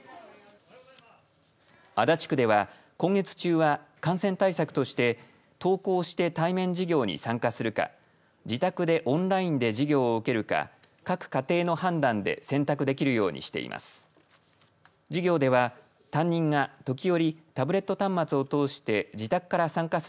足立区では、今月中は感染対策として登校して対面授業に参加するか自宅でオンラインで授業を受けるか各家庭の判断で選択できるようにしています。